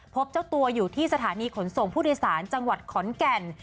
พบเจ้าตัวอยู่ที่สถานีขนส่งผู้โดยสารจังหวัดขอนแก่น